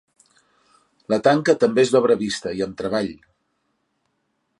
La tanca també és d'obra vista i amb treball.